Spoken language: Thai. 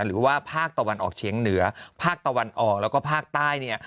หรือว่าภาคตะวันออกเฉียงเหนือภาคตะวันออกแล้วก็ภาคใต้เนี่ย